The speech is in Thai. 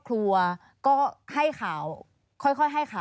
สวัสดีครับ